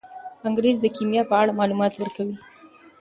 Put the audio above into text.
انګریز د کیمیا په اړه معلومات ورکوي.